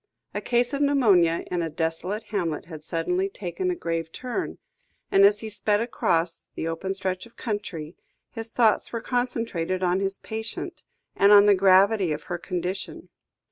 A case of pneumonia in a desolate hamlet had suddenly taken a grave turn, and as he sped across the open stretch of country, his thoughts were concentrated on his patient, and on the gravity of her condition.